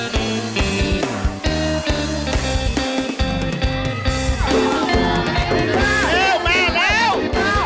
เร็วมาแล้ว